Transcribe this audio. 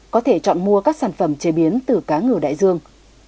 có thể chọn mua các sản phẩm chế biến từ cá ngừ đại dương